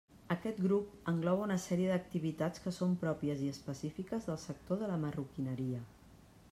Aquest grup engloba una sèrie d'activitats que són pròpies i específiques del sector de la marroquineria.